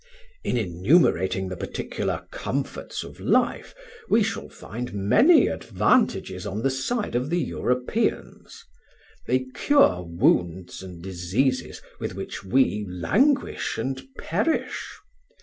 "In enumerating the particular comforts of life, we shall find many advantages on the side of the Europeans. They cure wounds and diseases with which we languish and perish.